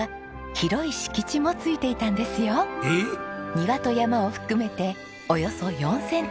庭と山を含めておよそ４０００坪。